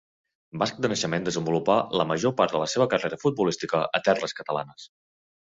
Basc de naixement, desenvolupà la major part de la seva carrera futbolística a terres catalanes.